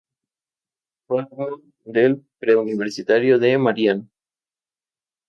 Fue alumno del Pre-Universitario de Marianao.